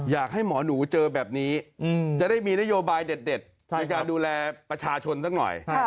อยากให้หมอหนูเจอแบบนี้จะได้มีนโยบายเด็ดในการดูแลประชาชนสักหน่อย